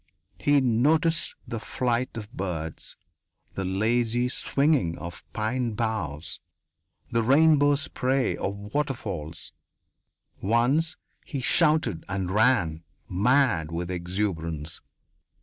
He noticed the flight of birds, the lazy swinging of pine boughs, the rainbow spray of waterfalls. Once he shouted and ran, mad with exuberance.